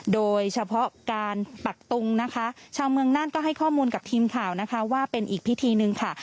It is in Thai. โดยเฉพาะการปักตุงนะคะชาวเมืองน่านก็ให้ข้อมูลกับทีมข่าวนะคะว่าเป็นอีกพิธีหนึ่งค่ะ